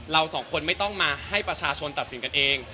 เราสองคนไม่ต้องมาให้ประชาชนตัดสินกันเอง